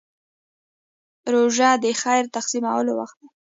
روژه د خیر تقسیمولو وخت دی.